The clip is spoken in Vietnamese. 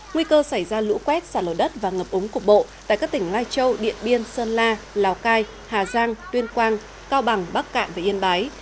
nguy cơ xảy ra lũ quét xả lở đất và ngập úng cục bộ tại các tỉnh lai châu điện biên sơn la lào cai hà giang tuyên quang cao bằng bắc cạn và yên bái